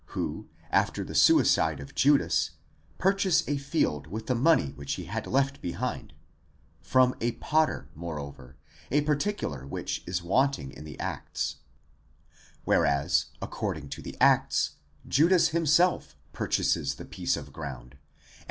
who, after the suicide of Judas, purchase a field with the money which he had left behind (from a potter moreover—a particular which is wanting in the Acts); whereas, according to the Acts, Judas himself purchases the piece of ground, and.